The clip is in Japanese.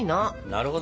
なるほど。